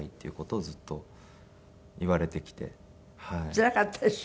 つらかったでしょ？